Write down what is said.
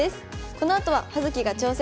このあとは「葉月が挑戦！」。